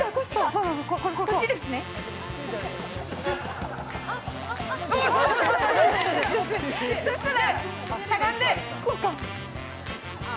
そうしたらしゃがんでこうか。